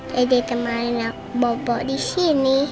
dede temanin aku bobo disini